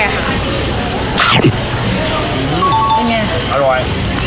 เป็นไงอร่อย